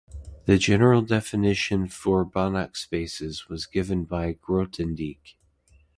The general definition for Banach spaces was given by Grothendieck.